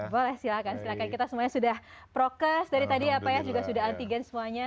boleh silahkan kita semuanya sudah prokes dari tadi ya pak ya juga sudah antigen semuanya